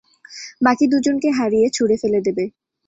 বাকি দুজনকে হারিয়ে ছুড়ে ফেলে দেবে।